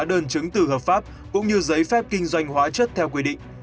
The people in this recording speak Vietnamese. hóa đơn chứng từ hợp pháp cũng như giấy phép kinh doanh hóa chất theo quy định